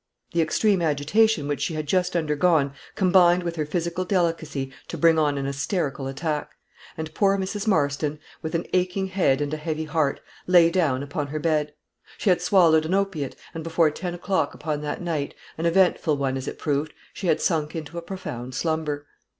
The extreme agitation which she had just undergone combined with her physical delicacy to bring on an hysterical attack; and poor Mrs. Marston, with an aching head and a heavy heart, lay down upon her bed. She had swallowed an opiate, and before ten o'clock upon that night, an eventful one as it proved, she had sunk into a profound slumber.